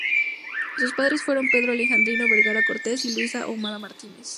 Sus padres fueron Pedro Alejandrino Vergara Cortez y Luisa Ahumada Martínez.